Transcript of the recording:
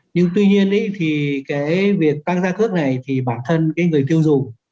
nhưng tuy nhiên thì cái việc tăng giá cước này thì bản thân cái người tiêu dùng